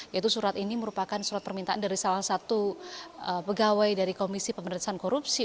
yaitu surat ini merupakan surat permintaan dari salah satu pegawai dari komisi pemerintahan korupsi